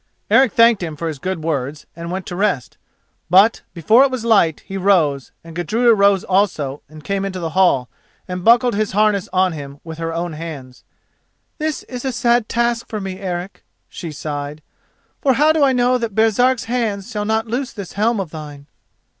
Eric thanked him for his good words and went to rest. But, before it was light, he rose, and Gudruda rose also and came into the hall, and buckled his harness on him with her own hands. "This is a sad task for me, Eric!" she sighed, "for how do I know that Baresark's hands shall not loose this helm of thine?"